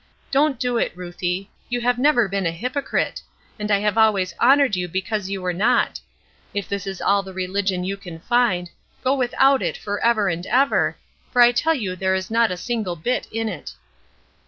Don't do it, Ruthie; you have never been a hypocrite, and I have always honored you because you were not. If this is all the religion you can find, go without it forever and ever, for I tell you there is not a single bit in it."